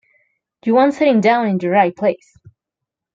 You want setting down in your right place!